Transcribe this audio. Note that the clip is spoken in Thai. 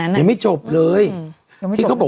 อันนั้นยังไม่จบเลยที่ก็